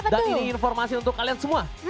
dan ini informasi untuk kalian semua